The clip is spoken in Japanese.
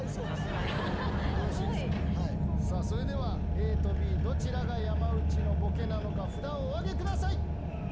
ＡとＢどちらが山内のボケなのか札をお挙げください。